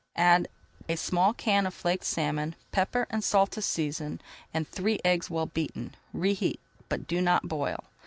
Add a small can of flaked salmon, pepper and salt to season, and three eggs well beaten. Reheat, but do not boil.